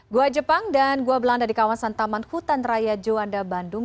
gua jepang dan gua belanda di kawasan taman hutan raya juanda bandung